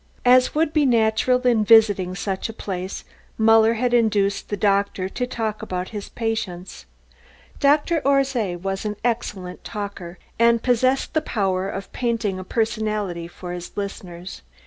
As would be natural in visiting such a place Muller had induced the doctor to talk about his patients. Dr. Orszay was an excellent talker and possessed the power of painting a personality for his listeners.